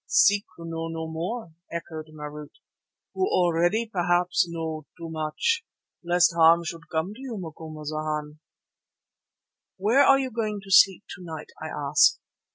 "Seek to know no more," echoed Marût, "who already, perhaps, know too much, lest harm should come to you, Macumazana." "Where are you going to sleep to night?" I asked.